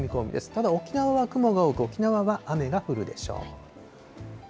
ただ沖縄は雲が多く、沖縄は雨が降るでしょう。